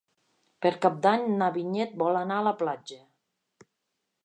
Per Cap d'Any na Vinyet vol anar a la platja.